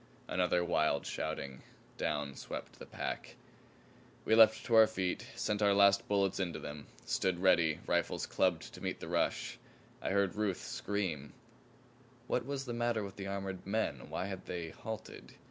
Another wild shouting; down swept the pack. We leaped to our feet, sent our last bullets into them; stood ready, rifles clubbed to meet the rush. I heard Ruth scream What was the matter with the armored men? Why had they halted?